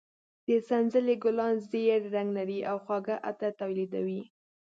د سنځلې ګلان زېړ رنګ لري او خواږه عطر تولیدوي.